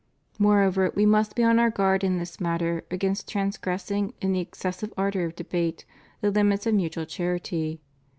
Moreover, we must be on our guard in this matter against transgressing, in the excessive ardor of debate, the limits of mutual char ity.